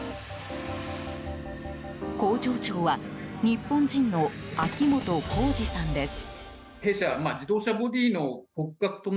工場長は日本人の秋元孝司さんです。